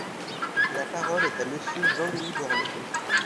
La parole est à Monsieur Jean-Louis Borloo.